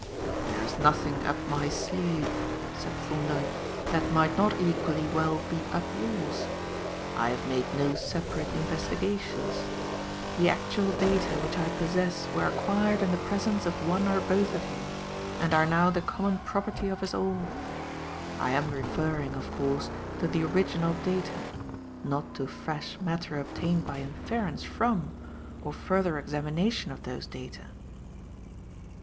"There is nothing up my sleeve," said Thorndyke, "that might not equally well be up yours. I have made no separate investigations. The actual data which I possess were acquired in the presence of one or both of you, and are now the common property of us all. I am referring, of course, to the original data, not to fresh matter obtained by inference from, or further examination of those data."